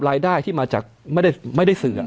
รายได้ที่มาจากไม่ได้สื่อ